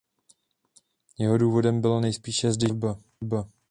Jeho důvodem byla nejspíše zdejší výstavba.